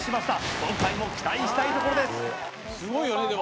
今回も期待したいところです